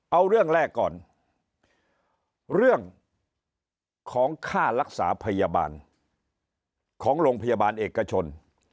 เอาเรื่องแรกก่อนเรื่องของค่ารักษาพยาบาลของโรงพยาบาลเอกชน